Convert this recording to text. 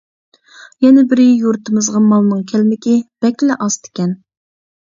يەنە بىرى يۇرتىمىزغا مالنىڭ كەلمىكى بەكلا ئاستىكەن.